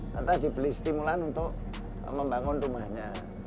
nanti dibeli stimulan untuk membangun rumahnya